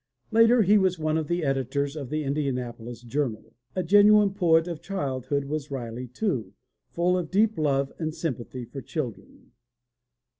Later he was one of the editors of the Indianapolis Journal, A genuine poet of child hood was Riley, too, full of deep love and sympathy for children.